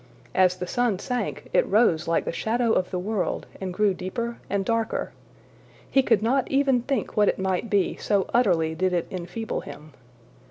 As the sun sank, it rose like the shadow of the world and grew deeper and darker. He could not even think what it might be, so utterly did it enfeeble him.